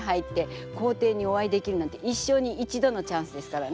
皇帝にお会いできるなんて一生に一度のチャンスですからね。